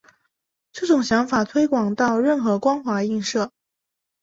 这种想法推广到任何光滑映射。